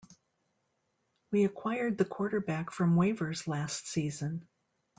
We acquired the quarterback from waivers last season.